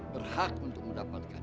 berhak untuk mendapatkan